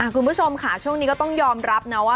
คุณผู้ชมค่ะช่วงนี้ก็ต้องยอมรับนะว่า